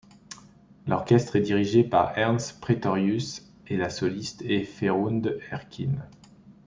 L'orchestre est dirigé par Ernst Praetorius et la soliste est Ferhunde Erkin.